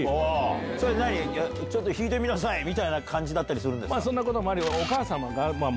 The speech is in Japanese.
それは「ちょっと弾いてみなさい」みたいな感じだったんですか？